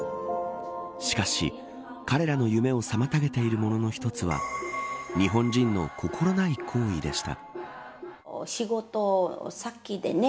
しかし、彼らの夢を妨げているものの一つは日本人の心ない行為でした。